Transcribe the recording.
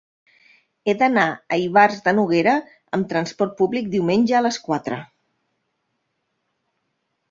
He d'anar a Ivars de Noguera amb trasport públic diumenge a les quatre.